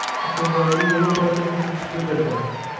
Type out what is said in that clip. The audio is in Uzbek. «Aqlvoy»ga yevropaliklar qiziqish bildirding